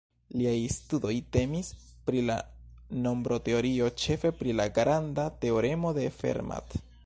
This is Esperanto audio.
Liaj studoj temis pri la nombroteorio, ĉefe pri la granda teoremo de Fermat.